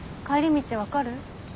帰り道分かる？